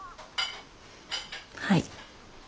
はい。